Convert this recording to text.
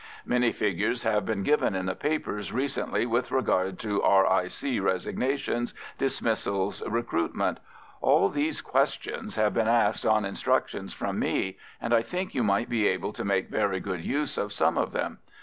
Many figures have been given in the papers recently with regard to R.I.C. resignations, dismissals, recruitment. All these questions have been asked on instructions from me, and I think you might be able to make very good use of some of them.